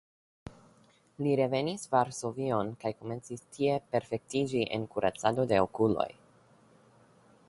Li revenis Varsovion kaj komencis tie perfektiĝi en kuracado de okuloj.